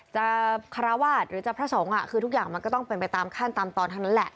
คาราวาสหรือจะพระสงฆ์คือทุกอย่างมันก็ต้องเป็นไปตามขั้นตอนทั้งนั้นแหละ